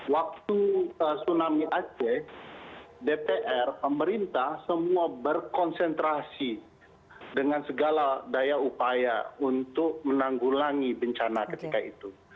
waktu tsunami aceh dpr pemerintah semua berkonsentrasi dengan segala daya upaya untuk menanggulangi bencana ketika itu